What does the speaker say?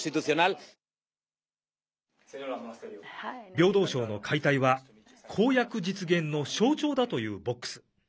平等省の解体は公約実現の象徴だというボックス。